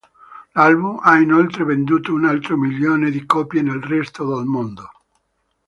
L'album ha inoltre venduto un altro milione di copie nel resto del mondo.